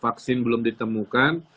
vaksin belum ditemukan